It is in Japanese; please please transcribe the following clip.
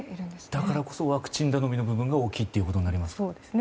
だからこそワクチン頼みの部分が大きいということになるんですね。